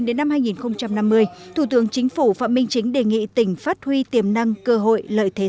đến năm hai nghìn năm mươi thủ tướng chính phủ phạm minh chính đề nghị tỉnh phát huy tiềm năng cơ hội lợi thế